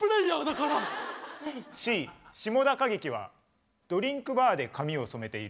Ｃ「志茂田景樹はドリンクバーで髪を染めている」。